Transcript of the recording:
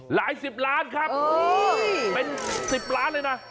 หลายสิบล้านครับเป็น๑๐ล้านเลยนะ